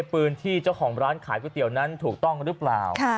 ปืนที่เจ้าของร้านขายก๋วยเตี๋ยวนั้นถูกต้องหรือเปล่า